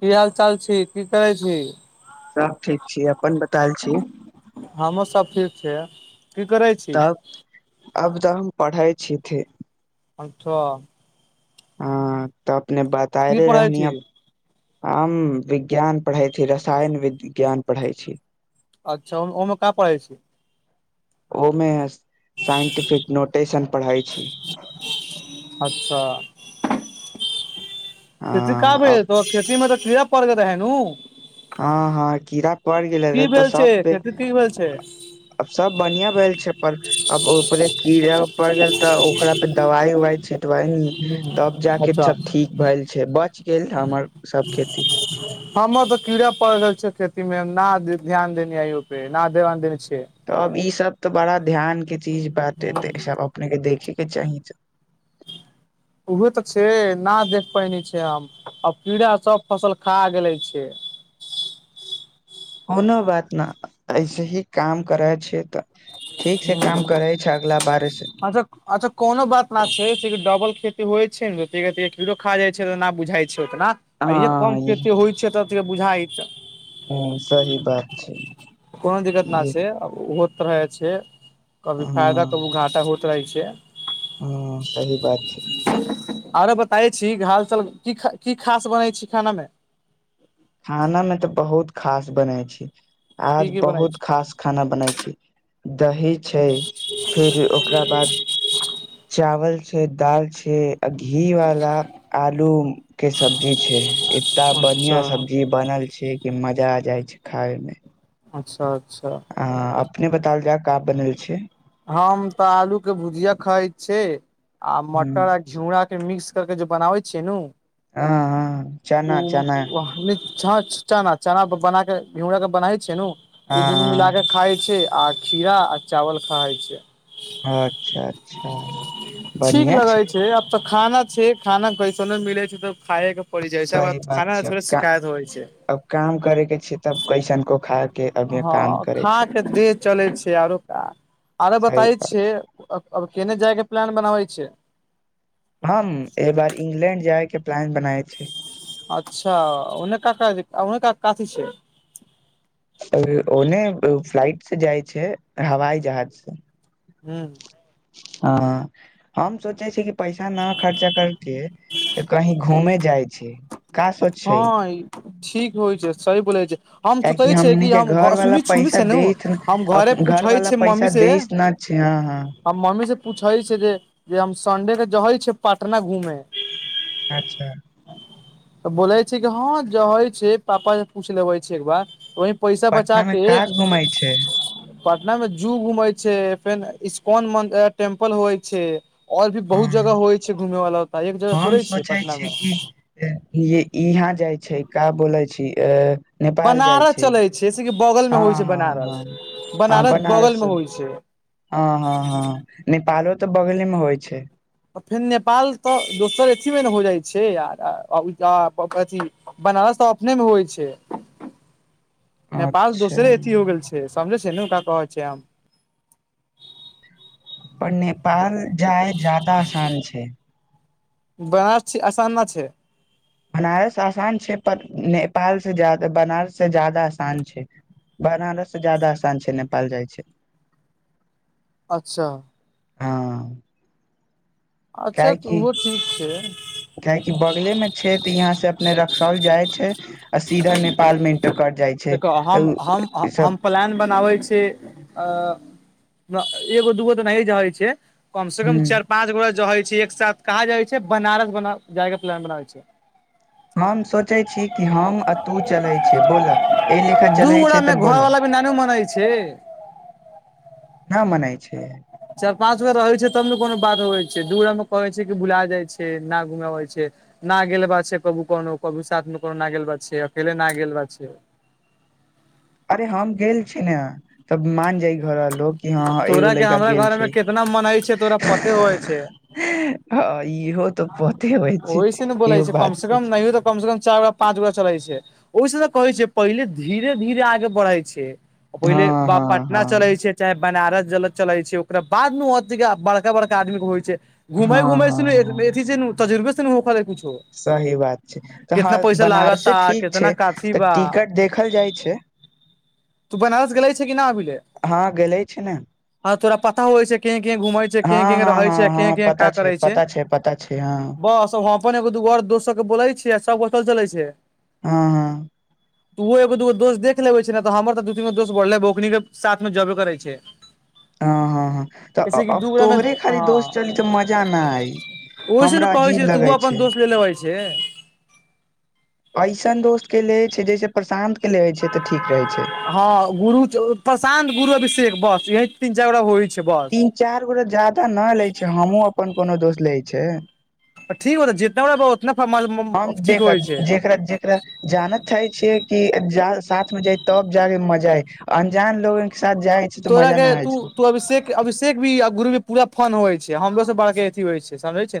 की हाल चाल छि की करै छि सब ठीक छी अपन बतायल छी हमो सब ठीक छियै की करै छि तब अब तऽ हम पढ़ै छी थी [inaudible] हँ तऽ अपने बताय की रहे पढ़ै रहनी छी अब हम विज्ञान पढ़ै छी रसायन विज्ञान पढ़ै अछि अच्छा ओहिमका पढ़ै छी ओ मे सांख्यिकी नोटेशन पढ़ै छी [inaudible] हँ अब खेतीमे तऽ कीड़ा परड़ग रहै नू हँ हँ कीड़ा पड़ि गेलै रहे की तऽ भेल छै सब पे खेती की भेल छै [unintelligible] आब सब बढ़िया भेल छै पर आब उपरे कीड़ा पड़ गेल तऽ ओकरा पे दवाइ उवाई छिटबाइ न तब जाके अच्छा ठीक भेल छै बचि गेल तऽ हमर सब खेती [inaudible] हमर तो कीड़े पड़ रहल छ खेती मे न ध्यान देनी ऐहो पे न ध्यान देने छी तब ई सब तऽ बड़ा ध्यान के चीज बातेते सब अपने के देखे के चाही उहे तऽ छै न देख पैने छै हम अब कीड़ा सब फसल खा गेले छै कोनो बात न ऐसे ही काम करै छियै तऽ ठीक छै काम करे छै अगला बार से अच्छ कोनो बात न छै से डबल खेती होइ छै ने धिरे-धिरे कीड़ो खा जाइ छै त न बुझाइ छै उतना आ इे कम हँ ई कते होइ छै तब त इ बुझाइत ह सही बात छै [unintelligible] कोनो दिक्कत ई नहि छै ओ होत रहे छै कभी हँ फायदा कभी घाटा होइत रहै छै हँ सही बात छै आरे बत [unintelligible] ख की खास बनै छी खाना मे खाना मे तऽ बहुत खास बनै छी की आज की बनै बहुत छै खास खाना बने छी दही छै फिर ओकरा बाद चावल छै दाल छै अ घी वाला आलू के सब्जी छै एकता बढ़िया अच्छा सब्जी बनल छै कि मजा आ जाय छै खाय मे अच्छ अच्छ अपने बताल जाय का बनल छै हम तऽ आलू के भुजिया खाई छे आ ह मटर घीड़ा के मिक्स करके जे बनाबै छियै न हाँ हाँ चना चना ओ हँ चना चना बनाके घीड़ा के बनाै छै न ओ दुनू हाँ मिलाक खाए छिए आ घीड़ा आ चावल खाइ छियै अच्छा अच्छा ठीक बढ़िआ लगे छै आब तऽ खाना छै खाना कैसन नहि मिले छै त खााय के जाइ छै सही आब बात खाना छै अब थोड़े का शिखायत होइ छय अब काम करे के छी तब कैसन को खा के अभ य काम करे हाँ छै के देह चले छै आरो आरो सही बताय बात छै छियै केने जाय के प्लान बनाबै छय हम एहि बार इंग्लैंड जाय के प्लान बनाय छय अच्छा अनेक कऽ अनेक क काति छै ओने फ्लाइट से जाइ छय हवाई जहाज से हूँ हँ हम सोचय छी कि पैसा ना खर्चा करके कहीं घूमे जाइ छय हँ ठीक होइ छै सह बोलइ छय हम सोचै कियाकि छियै हमनी कि के हम घर सु वाला सुनि पैसा छै ने देत हम घरे घर पुछइ वाला छै पैसा मम्मी से देस न हँ हँ हम मम्मी से पूछै छै जे जे हम सडे के जै छ पटना घूमे अच्छा बोलै छ्य कि हँ जे होइ छै पापा से पूछ लेबै छै एक बार वहि पैसा बचा पटना मे के का घूमै छै पटना में जू घूमेै छै फेर इकॉन टेम्पल होइ छै ओर भी बहुत जगह हँ, होइ छै घूमे वालला एक जगह हम थोड़े छ सोचै पटना छियै में कि य यहाँ जाइ छय क बोले छै अ नेपाल जाइ छय जस कि बगल मे होइ छै बनारस बनारस बगल में होइ छय हँ हँ हँ नेपालो तऽ बगले मे होइ छइ तऽ फेर नेपाल तऽ दोसर अथी में ने हो जाइ छै आर अथी बनारस तऽ अपने मे होइ छै नेपाल अच्छा दोसरे अथी हो गेल छै समझे छय न का कहै छै आम पर नेपाल जाइ ज्यदा आसान छै बनस छी आसानना छय [unintelligible] बनारस आसान छै पर नेपाल से ज बनारस से जादा आसान छय बनारस से जदा आसान छय नेपाल जाइ छै अच्छा हं अच्छा तऽ ओहो ठीक छय काहकि बगले में छय तऽ यहाँ से अपने रक्साल जाय छै आ सीधा नेपाल मे इंटर करट जाइ छय देखो हम हम ई सब हम प्लान बनाबै छय अ एगो दूगो तऽ नहि जाइ छै कम से ह कम चारि पाँच गो जै छै एक साथ कहाँ जाइ छय बनारस बना जाय के प्लान बनाबै छय हम सोचय छी कि हम आ तू चलै छै बोलऽ एहि लेखा दू चलै गोरा छै तऽ में बोलऽ घरवाला भी नानू मनै छै न मनाइ छय चारि पाँच गो रहय छै तब ने कोनो बात होै छै दूर मे कहै छै कि भुला जाइ छै न घुमेबै छै ना गल बा छय कबू कोनो कभू साथ मे कोनो न ग बा छै अकेले न ग गेल बा छै अरे हम गेल छी ने तब मान जाइ घर लो हँ एगो तोरा के लड़का हमरा गेल घर मे छय कितना मन हइ छै तोरा पते होइ छै हँ इहो तऽ पते होइ छैय ओहि से ने बोले इहो छै कम बात से कम [unintelligible] नहियो तऽ कम से कम चार गो पाँच गो चलै छैय। ओहिसँ तऽ कहै छैय पहिले धीरे धीरे आगे बढ़ै छैय हँ पहिले बाप हँ पटना हँ चलै छैय। चाहे बनारस जल चलै छैय ओकरा बादमे अ बड़का बड़का आदमीे होइ छैय। घुमय हँ घुमय हँ हँ सुन [unintelligible] तजुर्बे [unintelligible] कुछो सही बात छैय तऽ कितना हँ पैसा बनारसे लागता ठीक कितना छैय काथी तऽ बा टिकट देखल जाइ छैय। तू बनारस गेले छैय कि नहि अभी रे? हँ गेलै छी ने। हँ तोरा पता हव छै [unintelligible] के हँ के हँ रहै हँ छैय कें हँ कें का पता छै करै छैय पता छै पता छै हँ बस [unintelligible] अपन एगो दूोर और दोस्तर के बोले छियै आ सब बतल चलै छैय। हँ हँ [unintelligible] तऽ ओहो एगो दूगो दोस्त देख लेबै छैय ने तऽ हमर तऽ दू तीनो दोस्त बढ़लै ओनीके साथमे जेबे करै छैय। हँ हँ हँ तऽ अ मे तोहरे खाली दोस्त चली तऽ मजा नहि आई। ओहिस ने कहै छियौ तूहो अपन दोस्त ले लेबै छे। ऐसन दोस्त के ले छैय जैसे प्रशान्त के लेै छैय तऽ ठीक रहै छैय। हँ गुरु प्रशान्त गुरु अभीसेेक बस यह तीन चारि गो होही तीन चार गोटा जदा न लै छैय हमहु अपन कोनो दोस्त लै छैय। आ ठीक हो त जितना बा [unintelligible] हम ठीक देख होइ छै जेकरा जेकरा जानत चाहे छियै कि ज साथ में जाइ तब जगे मजा आय अनजान लोग तोराके तू त अभिषेक अभिषेक भी गुरुी पूरा फन होइ छैय हमरो स बड़ अथी होइ छैय समझे छैय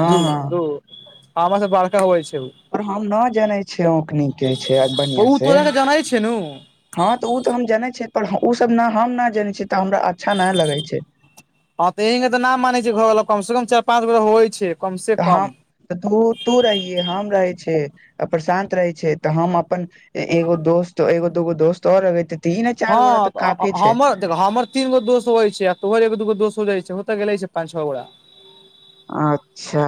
हँ हँ धू धू [unintelligible] बड़का होय छैय। पर हम न जानै छियै औकनी कहै छैय बढ़ीआं उ से। तोरा के जानै छै नु हँ तऽ ओ तऽ हम जानै छियै पर ओ सब ने हम नहि जानै छियै तऽ हमरा अच्छा नहि लगै छैय। ह तऽ इीं के त न मानै छैय घरवला कम से कम चार पाच बेर होइ छैय। तऽ हम तऽ तू रहिये हम रहै छैय। आ प्रशांत रहे छैय तऽ हम अपन एगो दोस्त एगो दूगो दोस्त और अगेे तीन चार गोरा तऽ हँ काफी छैय। हमर देख हमर तीन गो दोस होै छैय आ तोहर दूगो दोस हो जाइ छैय तऽ गेले छैय पाँच छओ गोटा। अच्छा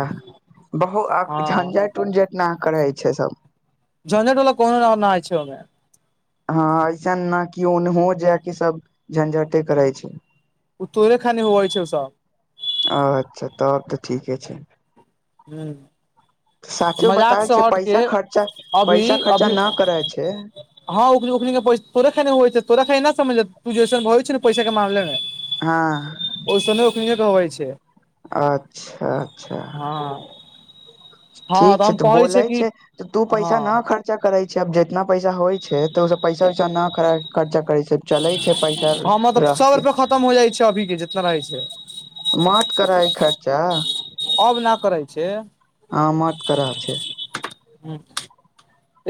बहु हँ झंझटि उंझट ना करै छैय सब। जनेदेन वला कोनो नइ छैमे [unintelligible] हँ ऐसन न कि ओनहो जायके सब झंझटे करै छैय। ओ तोहरे खानी हवइ छैय ओ सब। अच्छा तहन तऽ ठीके छैय। हू साचो बताए छैय पैसा खर्चा अभी पैसा खर्चा अभी ना करै छैय। हँ उ तोे ख छैय तोरा समझ त जसन छ पैसा के मामले में। हँ ओहिस नहि ओखनी कहवइ छैय। अच्छा अच्छा हँ हँ ठीक छैय हम तऽ कहै बोलै छै कि छैय तऽ तू हँ पैसा न खर्च खर्चा करे छैय आब जितना पैसा होइ छैय त ओ पैसा वैसा न खर्चा करै छैय। चलै छै पैसा हमर तऽ सौ रखके रुपया खतम हो जाइ छै अभी के जितना रहै छै मत करय ई खर्चा हम ना करय छी हा मात करा छै ह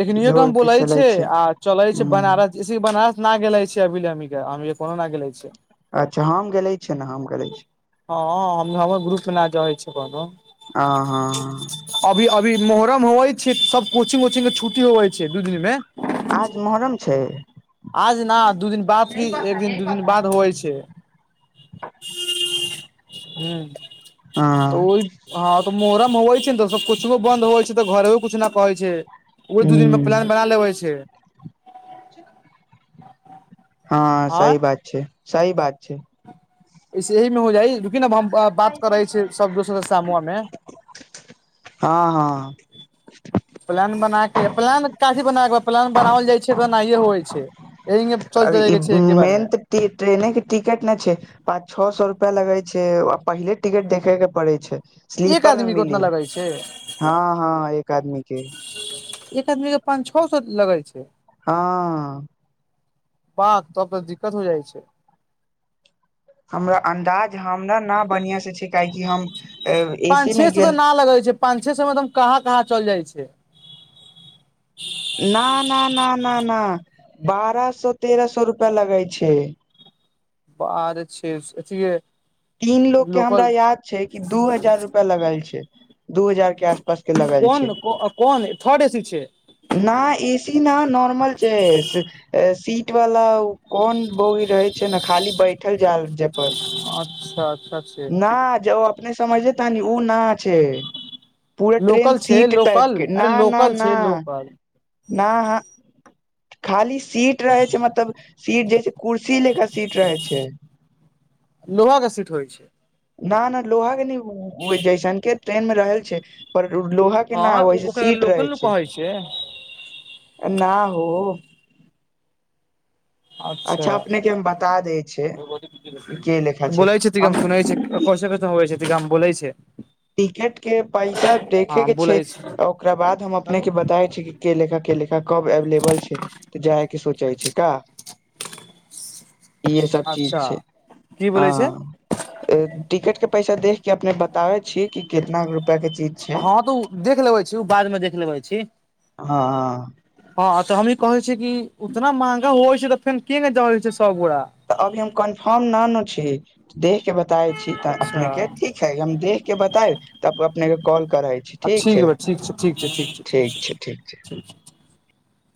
एखनो के हम बोलै छै आ चलै छै ह बनारस जैसे बनारस ना गेले छिय अभीे कोनो न ग गेले छै अच्छा हम गेले छियै ने हम गेले छी हँ हँ हम हमरो ग्रुप ना जै छै बन ह हँ अभी अभी मोहर्रम होवै छै सब कोचिंग वचिंग के छुट्टी होवै छै दू दिन मे आज मोहर्रम छै आज नऽ दू दिन बाद की एक दिन दू दिन बाद होइ छै हू हँ तऽ ओहि हँ तऽ मोहरम होवै छै ने तऽ सब कुछुो बन्द होवै छै तऽ घरो क कुछु न कहै छै ओ दू दिन मे ह प्लान बना लेबे छै हँ सही आँय बात छै सही बात छै से एहिह में हो जाइ रूकी अ हम बात करे छै सब दोस्त सामवा मे हँ हँ प्लान बना के प्लान का जे बना कऽ प्लान बनाओल जाइ छै तऽ ओनायए होइ छै एहि मे चल अब जाय ई के छै एके मेन बारेमे तऽ ट्रेने के टिकेट नहि छै पाँच छओ सए रुपआ लगे छै आ पहिले टिकट देखे के पड़े छै एक स्लीपर मे आदमी के मिली उतना लगै छै हँ हँ एक आदमी के एक आदमी के पांच छओ सौ लगै छै हँ पाक तब तऽ दिक्कत हो जाइ छै हमरा अन्दाज हमरा न बढ़िआ से छै काहेकि हम एसी मे गेल लग होइ छै पाछे से मतलब कहाँ कहाँ चलि जाइ छै [inaudible] ना ना ना ना ना बारह सौ तेरह सौ रुपया लगे छै बारह छे [unintelligible] तीन लोग के हमरा याद छै कि दू हजार रुपआ लगल छै दू हजार के आस पास के लगल छै कोन थर्ड ए सी छै न एसी न नॉर्मल छै सीट वाला कोन बगी रहे छै ने खाली बैठल जाय जाय पर अच्छा अच्छा छै न जे ओ अपने समझलेता ने ओ ना छै पूरा ट्रेन लोकल छै सीट टाइप लोकल के अरे ना ना लोकल ना छै लोकल न ह खाली सीट रहे छै मतलब सीट जे छै कुर्सी लेखा सीट रहै छै लोहा के सीट होइ छै ना ना लोहा के नहि होय जाइसन ट्रेन मे रहल छै पर लोहा के न हँ होस ओकरा सीट रहै लोकल नु छै कहै न हो अच्छा अपने के हम बता दै छै के लेखा बोलै छै सु हम छी कैसे कैसे होे छै जगमे बोलै छै टिकट के पैसा हँ देखे के छै बोलै ओकरा बाद हम अपने के बताय छी की के लेखा के लेखा कब एवेलेबल छै तऽ जाय के सोचे छै का इहे सब चीज अच्छा छय की बोलै छै हँ टिकट के पैसा देख के अपने बताबे छीयय कि कितना रुपआ के चीज छै हँं तऽ ओ देख लेबे छी ओ बाद मे देख लेबे छी हं हँ तऽ हमही कहे छियै कि उतना महंगा होइ छय तऽ फेन के जल छै सब गोड़ तऽ अभी हम कन्फर्म न नू छी देखह के बताे छी तऽ अच्छा अपने के ठीक हम देख के बताए तब अपनेके कॉल कराइ ठीक छय ठीक छै ठीक छय छै